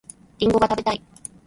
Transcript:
りんごが食べたい